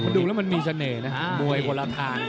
ดูแล้วมันมีเสน่ห์นะมวยคนละทาง